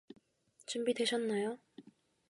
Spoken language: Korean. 준비되셨나요?